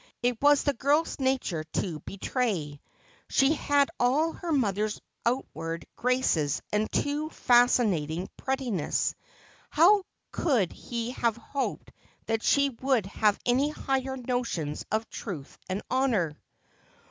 It was the girl's nature to be tray. She had all her mother's outward graces and too fascinat ing prettiness. How could he have hoped that she would have any higher notions of truth and honour